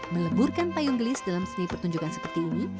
meleburkan payung gelis dalam seni pertunjukan seperti ini